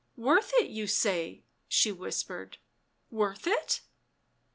Worth it, you say?" she whispered, "worth it?"